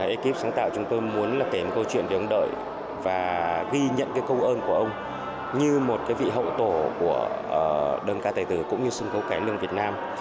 ekip sáng tạo chúng tôi muốn là kể một câu chuyện về ông đợi và ghi nhận cái công ơn của ông như một vị hậu tổ của đơn ca tài tử cũng như sân khấu cải lương việt nam